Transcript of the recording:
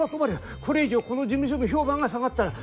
これ以上この事務所の評判が下がったら。